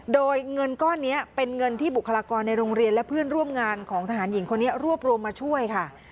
โดยเงินก้อนนี้เป็นเงินที่บุคลากรในโรงเรียนและเพื่อนร่วมงานของทหารหญิงคนนี้รวบรวมมาช่วยค่ะ